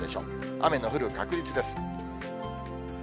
雨の降る確率です。